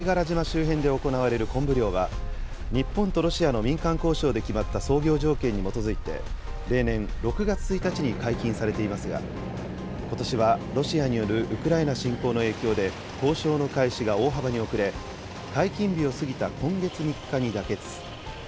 北方領土の貝殻島周辺で行われる昆布漁は、日本とロシアの民間交渉で決まった操業条件に基づいて、例年６月１日に解禁されていますが、ことしはロシアによるウクライナ侵攻の影響で、交渉の開始が大幅に遅れ、解禁日を過ぎた今月３日に妥結。